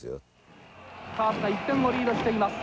カープが１点をリードしています。